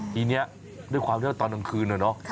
ทีนี้ด้วยความรู้ว่าตอนตอนคืนนะ